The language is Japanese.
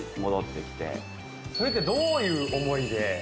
それってどういう思いで？